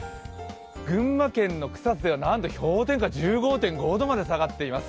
群馬県の草津ではなんと氷点下１５．５度まで下がってます。